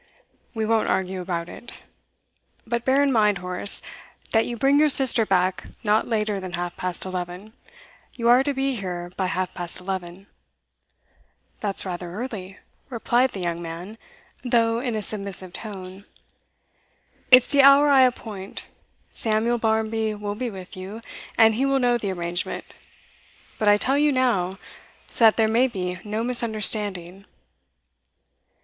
'We won't argue about it. But bear in mind, Horace, that you bring your sister back not later than half past eleven. You are to be here by half past eleven.' 'That's rather early,' replied the young man, though in a submissive tone. 'It's the hour I appoint. Samuel Barmby will be with you, and he will know the arrangement; but I tell you now, so that there may be no misunderstanding.